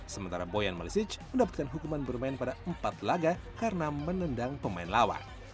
sementara boyan malisic mendapatkan hukuman bermain pada empat laga karena menendang pemain lawan